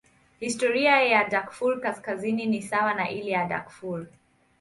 Historia ya Darfur Kaskazini ni sawa na ile ya Darfur.